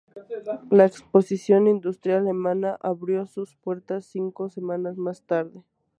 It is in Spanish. La Exposición Industrial Alemana abrió sus puertas cinco semanas más tarde.